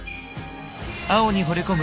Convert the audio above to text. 青にほれ込む